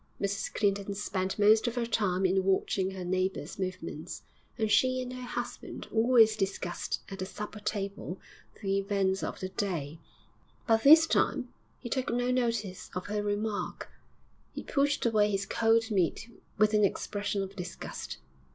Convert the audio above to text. Mrs Clinton spent most of her time in watching her neighbours' movements, and she and her husband always discussed at the supper table the events of the day, but this time he took no notice of her remark. He pushed away his cold meat with an expression of disgust.